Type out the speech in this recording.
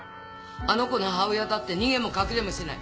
あの子の母親だって逃げも隠れもしない。